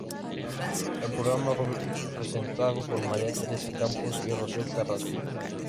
El programa fue presentado por María Teresa Campos y Rocío Carrasco.